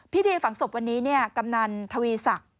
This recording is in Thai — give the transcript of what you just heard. พิธีฝังศพวันนี้กำนันทวีศักดิ์